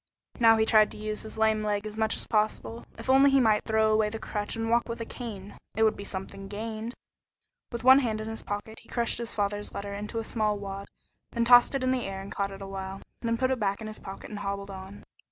Now he tried to use his lame leg as much as possible. If only he might throw away the crutch and walk with a cane, it would be something gained. With one hand in his pocket he crushed his father's letter into a small wad, then tossed it in the air and caught it awhile, then put it back in his pocket and hobbled on.